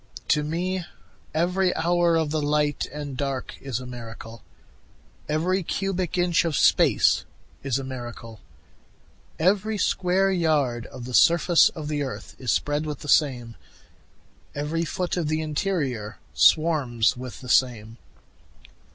To me every hour of the light and dark is a miracle, Every cubic inch of space is a miracle, Every square yard of the surface of the earth is spread with the same, Every foot of the interior swarms with the same.